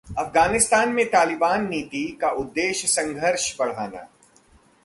'अफगानिस्तान में तालिबान नीति का उद्देश्य संघर्ष बढ़ाना'